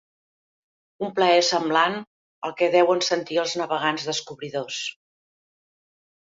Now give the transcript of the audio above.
Un plaer semblant al que deuen sentir els navegants descobridors